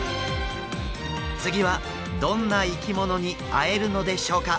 次はどんな生き物に会えるのでしょうか？